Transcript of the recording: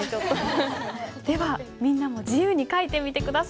ではみんなも自由に書いてみて下さい。